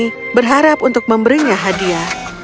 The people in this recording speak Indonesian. ini berharap untuk memberinya hadiah